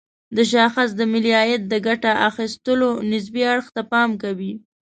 دا شاخص د ملي عاید د ګټه اخيستلو نسبي اړخ ته پام کوي.